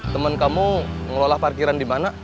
temen kamu ngelola parkiran dimana